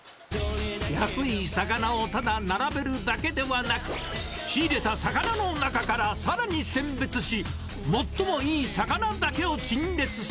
安い魚をただ並べるだけではなく、仕入れた魚の中からさらに選別し、最もいい魚だけを陳列す